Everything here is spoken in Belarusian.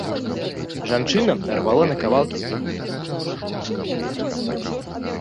Жанчына рвала на кавалкі старую, зношаную да адных дзірак сарочку.